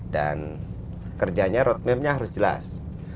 dan kerjanya road map nya harus jelas